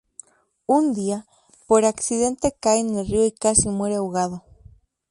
Un día, por accidente cae en el río y casi muere ahogado.